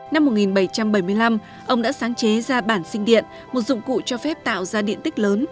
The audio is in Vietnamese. năm một nghìn bảy trăm bảy mươi năm ông đã sáng chế ra bản sinh điện một dụng cụ cho phép tạo ra điện tích lớn